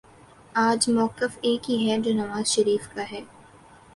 آج مؤقف ایک ہی ہے جو نواز شریف کا ہے